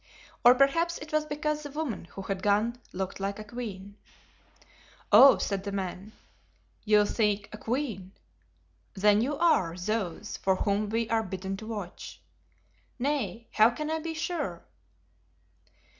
Or perhaps it was because the woman who had gone looked like a queen. "Oh!" said the man, "you seek a queen then you are those for whom we were bidden to watch. Nay, how can I be sure?"